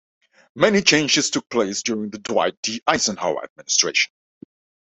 Many changes took place during the Dwight D. Eisenhower administration.